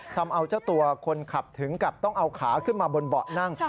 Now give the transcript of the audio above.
ทำเอาเจ้าตัวคนขับถึงกับต้องเอาขาขึ้นมาบนเบาะนั่ง